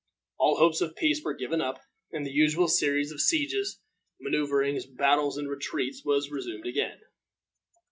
All hopes of peace were given up, and the usual series of sieges, maneuverings, battles, and retreats was resumed again.